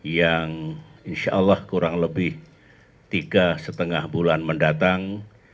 yang insyaallah kurang lebih tiga setengah bulan mendatang